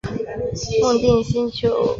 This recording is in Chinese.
孟定新条鳅为鳅科新条鳅属的鱼类。